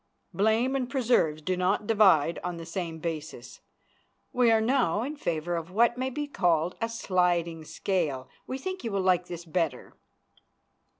Blame and preserves do not divide on the same basis. We are now in favor of what may be called a sliding scale. We think you will like this better.